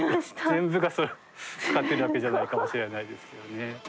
全部がそれを使ってるわけじゃないかもしれないですけどね。